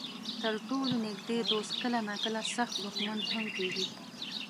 تر ټولو نږدې دوست کله ناکله سخت دښمن هم کېږي.